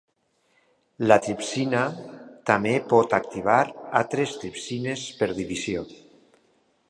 La tripsina també pot inactivar altres tripsines per divisió.